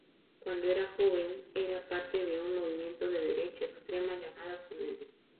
Cuando era joven, era parte de un movimiento de derecha extrema llamado Occidente.